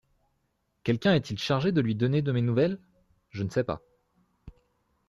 Quelqu'un est-il chargé de lui donner de mes nouvelles ? Je ne sais pas.